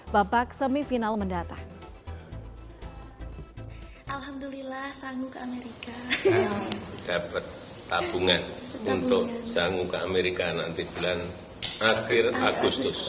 bapak semifinal mendatang